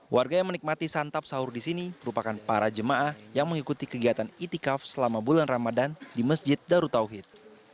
warga yang menikmati santap sahur di sini merupakan para jemaah yang mengikuti kegiatan itikaf selama bulan ramadan di masjid darutauhid